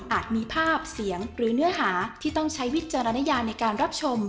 มีภาพเสียงหรือเนื้อหาที่ต้องใช้วิจารณญาในการรับชม